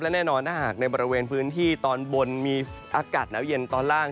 และแน่นอนถ้าหากในบริเวณพื้นที่ตอนบนมีอากาศหนาวเย็นตอนล่าง